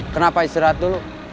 kenapa istirahat dulu